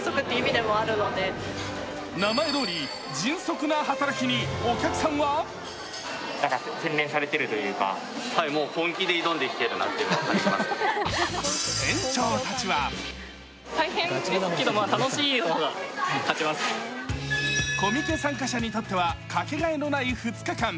名前どおり迅速な働きにお客さんは店長たちはコミケ参加者にとってはかけがえのない２日間。